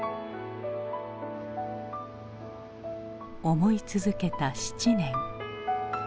思い続けた７年。